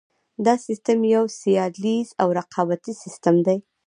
دا سیستم یو سیالیز او رقابتي سیستم دی.